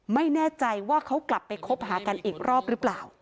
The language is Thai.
ไม่แน่ใจว่าเขากลับไปคบหากันอีกรอบหรือเปล่า